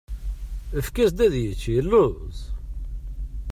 Efk-as ad yečč, yeluẓ.